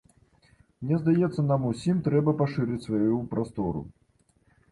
Мне здаецца, нам усім трэба пашыраць сваю прастору.